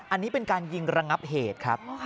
อันนี้เป็นการยิงระงับเหตุครับ